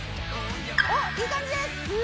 おっいい感じです！